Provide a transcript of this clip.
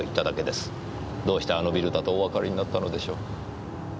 どうしてあのビルだとおわかりになったのでしょう？